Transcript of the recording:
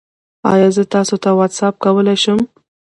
ایا زه تاسو ته واټساپ کولی شم؟